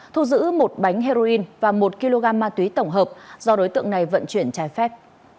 thu giữ một bánh heroin và một kg ma túy tổng hợp do đối tượng này vận chuyển trái phép